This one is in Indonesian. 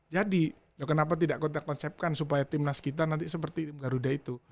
jadi kenapa tidak kita konsepkan supaya tim nas kita nanti seperti garuda itu